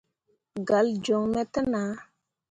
Galle joŋ me te nah.